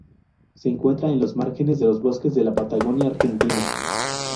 Se encuentra en los márgenes de los bosques de la Patagonia Argentina.